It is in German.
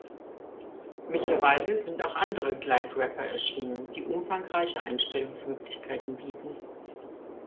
Mittlerweile sind auch andere Glide-Wrapper erschienen, die umfangreiche Einstellungsmöglichkeiten bieten.